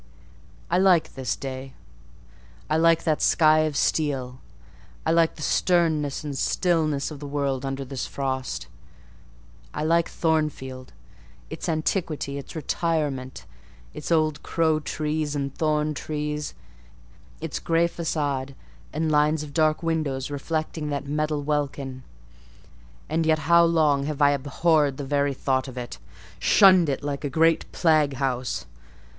"I like this day; I like that sky of steel; I like the sternness and stillness of the world under this frost. I like Thornfield, its antiquity, its retirement, its old crow trees and thorn trees, its grey façade, and lines of dark windows reflecting that metal welkin: and yet how long have I abhorred the very thought of it, shunned it like a great plague house?